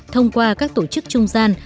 thông qua các tổ chức trung gian